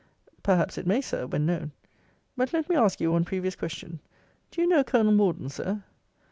Perhaps it may, Sir, when known. But let me ask you one previous question Do you know Colonel Morden, Sir?